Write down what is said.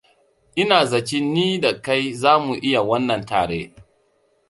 Ina zaci ni da kai za mu iya wannan tare.